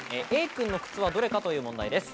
Ａ君の靴はどれかという問題です。